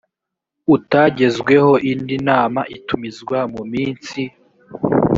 utagezweho indi nama itumizwa mu minsi